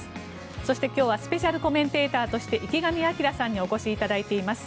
そして、今日はスペシャルコメンテーターとして池上彰さんにお越しいただいております。